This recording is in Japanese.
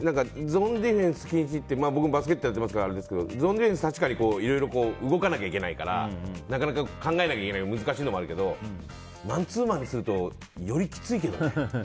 ゾーンディフェンス禁止って僕もバスケットやっていたからあれですけどゾーンディフェンスはいろいろ動かないといけないから考えなきゃいけなくて難しいのもあるけどマンツーマンにするとよりきついけどね。